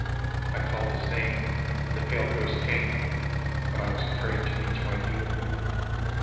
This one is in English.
I called his name and the pale ghost came; but I was afraid to meet my dear.